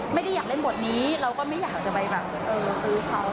ไม่ได้อยากเล่นบทนี้เราก็ไม่อยากจะไปแบบซื้อเขา